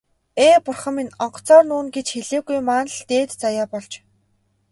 Ээ, бурхан минь, онгоцоор нүүнэ гэж хэлээгүй маань л дээд заяа болж.